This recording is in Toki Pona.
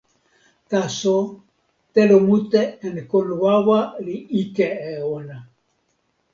taso, telo mute en kon wawa li ike e ona.